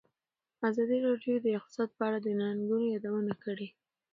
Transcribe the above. ازادي راډیو د اقتصاد په اړه د ننګونو یادونه کړې.